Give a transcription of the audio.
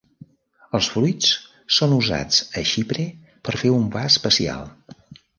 Els fruits són usats a Xipre per fer un pa especial.